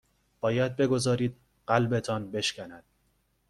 باید بگذارید قلبتان بشکند